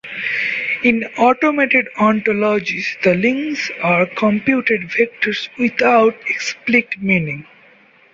In automated ontologies the links are computed vectors without explicit meaning.